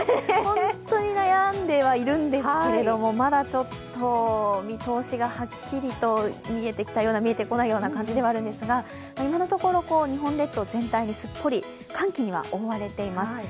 本当に悩んではいるんですけれどもまだちょっと見通しがはっきりと見えてきたような見えてこないような感じですが今のところ、日本列島全体にすっぽり寒気には覆われています。